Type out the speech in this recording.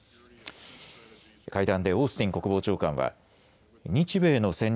会談でオースティン国防長官は日米の戦略